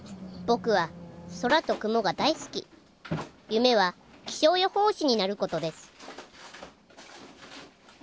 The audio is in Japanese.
僕は空と雲が大好き夢は気象予報士になることです